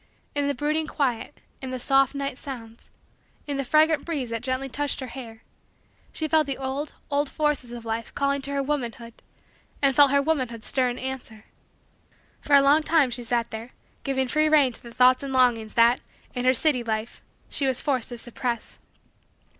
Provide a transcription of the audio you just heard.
In the brooding quiet; in the soft night sounds; in the fragrant breeze that gently touched her hair; she felt the old, old, forces of life calling to her womanhood and felt her womanhood stir in answer. For a long time she sat there giving free rein to the thoughts and longings that, in her city life, she was forced to suppress.